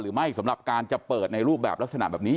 หรือไม่สำหรับการจะเปิดในรูปแบบลักษณะแบบนี้